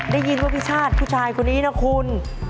ได้ยินว่าพี่ชาติผู้ชายคนนี้นะคุณ